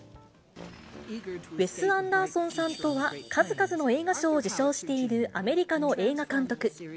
ウェス・アンダーソンさんとは、数々の映画賞を受賞しているアメリカの映画監督。